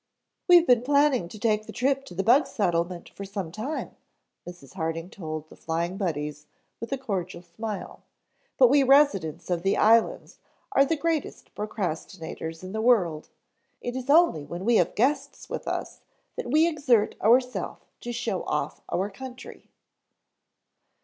"We have been planning to take the trip to the 'bug settlement' for some time," Mrs. Harding told the Flying Buddies with a cordial smile, "but we residents of the islands are the greatest procrastinators in the world; it is only when we have guests with us that we exert ourself to show off our country."